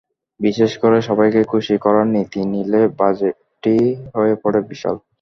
বিশেষ করে সবাইকে খুশি করার নীতি নিলে বাজেটটি হয়ে পড়ে বিশাল।